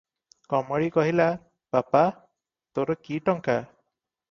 କମଳୀ କହିଲା, "ବାପା! ତୋର କି ଟଙ୍କା?